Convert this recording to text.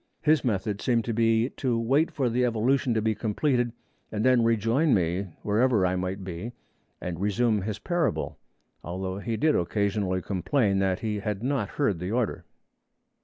His method seemed to be to wait for the evolution to be completed and then rejoin me wherever I might be and resume his parable, although he did occasionally complain that he had not heard the order.